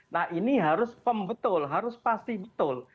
nah ini harus pembetul harus pasti betul